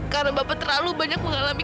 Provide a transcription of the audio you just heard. karena bapak terlalu banyak mengalami